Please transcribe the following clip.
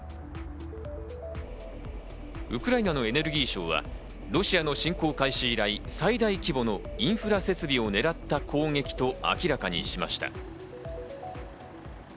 ウクライナのエネルギー相はロシアの侵攻開始以来、最大規模のインフラ設備を狙った攻撃と明らかにしました。